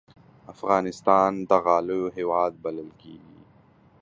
افغانستان د غالیو هېواد بلل کېږي.